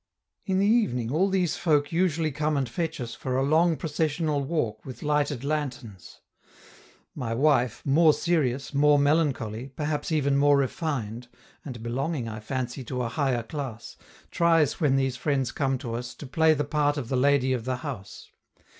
In the evening, all these folk usually come and fetch us for a long processional walk with lighted lanterns. My wife, more serious, more melancholy, perhaps even more refined, and belonging, I fancy, to a higher class, tries when these friends come to us to play the part of the lady of the house.